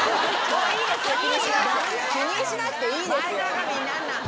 気にしなくていいです。